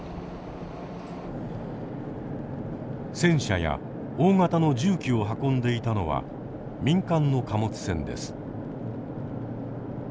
戦車や大型の重機を運んでいたのは民間の貨物船です。